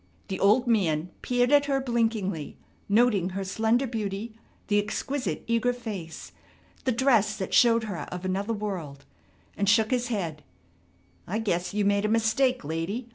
The old man peered at her blinkingly, noting her slender beauty, the exquisite eager face, the dress that showed her of another world and shook his head: "I guess you made a mistake, lady.